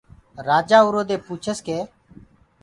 رآجآ اُرو دي پوڇس ڪي